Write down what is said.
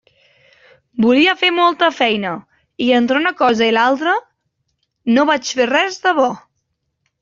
Volia fer molta feina i entre una cosa i l'altra no vaig fer res de bo.